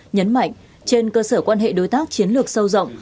nhấn mạnh trên cơ sở quan hệ đối tác chiến lược sâu rộng